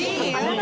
何？